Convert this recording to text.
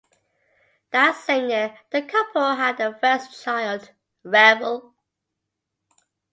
That same year, the couple had their first child, Revel.